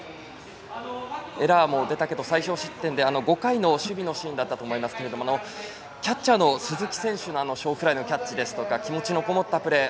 エラーも出たけども最少失点でということで５回の守備のシーンだったと思いますがキャッチャーの鈴木選手の小フライのキャッチや気持ちのこもったプレー